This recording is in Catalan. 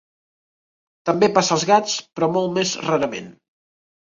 També passa als gats, però molt més rarament.